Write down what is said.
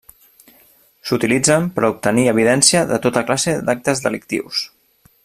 S'utilitzen per obtenir evidència de tota classe d'actes delictius.